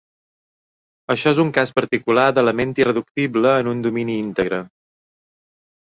Això és un cas particular d'element irreductible en un domini íntegre.